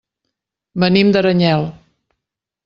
Venim d'Aranyel.